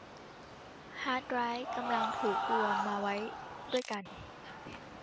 ฮาร์ดไดรฟ์กำลังถูกรวมมาไว้ด้วยกัน